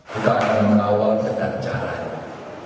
kita akan mengawal segala caranya